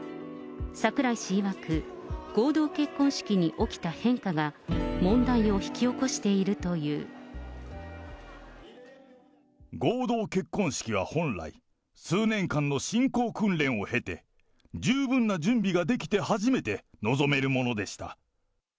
櫻井氏いわく、合同結婚式に起きた変化が、問題を引き起こしてい合同結婚式は本来、数年間の信仰訓練を経て、十分な準備ができて初めて臨めるものでした。